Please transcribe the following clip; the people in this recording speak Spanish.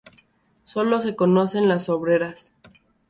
Solo se conocen las obreras.